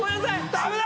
ダメだ